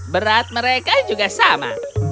berat mereka juga sama